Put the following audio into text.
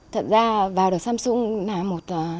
thật ra vào được samsung là một